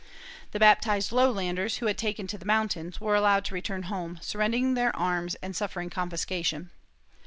The baptized lowlanders, who had taken to the mountains, were allowed to return home, surrendering their arms and suffering confiscation.